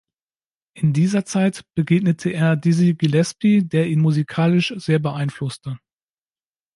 In dieser Zeit begegnete er Dizzy Gillespie, der ihn musikalisch sehr beeinflusste.